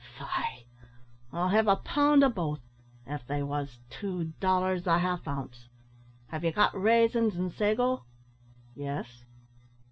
"Faix, I'll have a pound o' both, av they wos two dollars the half ounce. Have ye got raisins an' sago?" "Yes."